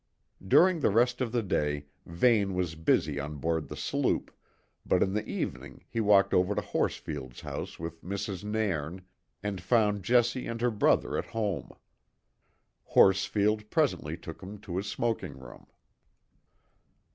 During the rest of the day Vane was busy on board the sloop, but in the evening he walked over to Horsfield's house with Mrs. Nairn, and found Jessie and her brother at home. Horsfield presently took him to his smoking room.